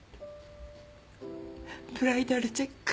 ブライダルチェック？